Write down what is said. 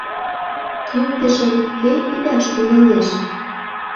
«Киндыжым кӧ ӱдаш тӱҥалеш?»